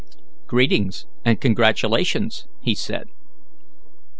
"Greetings and congratulations," he said.